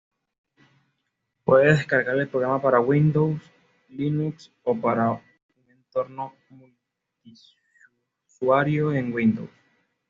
Puede descargar el programa para Windows, Linux o para un entorno multiusuario en Windows.